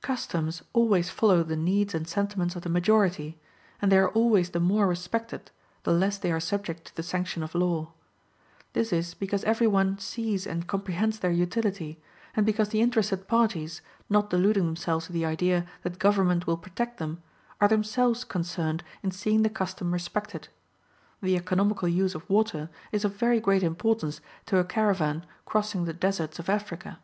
Customs always follow the needs and sentiments of the majority; and they are always the more respected, the less they are subject to the sanction of law. This is because every one sees and comprehends their utility, and because the interested parties, not deluding themselves with the idea that government will protect them, are themselves concerned in seeing the custom respected. The economical use of water is of very great importance to a caravan crossing the deserts of Africa.